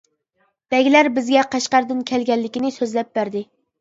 بەگلەر بىزگە قەشقەردىن كەلگەنلىكىنى سۆزلەپ بەردى.